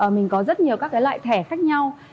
mình có rất nhiều loại thẻ khác nhau